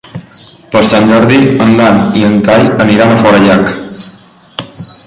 Per Sant Jordi en Dan i en Cai aniran a Forallac.